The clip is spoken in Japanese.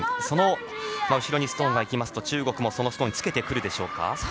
その後ろにストーンが行くと中国も、そのストーンにつけてくるでしょうか。